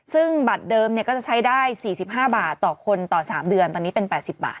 ซึ่งบัตรเดิมก็จะใช้ได้๔๕บาทต่อคนต่อ๓เดือนตอนนี้เป็น๘๐บาท